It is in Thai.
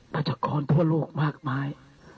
ประจักรคอนทั่วโลกมากมาย